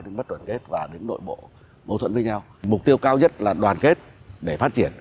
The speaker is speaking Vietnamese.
đến bất đoàn kết và đến nội bộ mâu thuẫn với nhau mục tiêu cao nhất là đoàn kết để phát triển